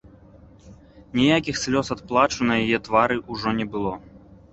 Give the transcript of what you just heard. Ніякіх слёз ад плачу на яе твары ўжо не было.